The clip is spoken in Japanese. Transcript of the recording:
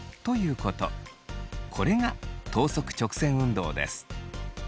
これが等速直線運動です。